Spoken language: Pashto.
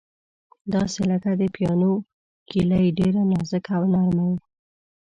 داسې لکه د پیانو کیلۍ، ډېره نازکه او نرمه یې.